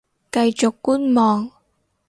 繼續觀望